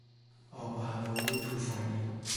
آب و هوای توفانی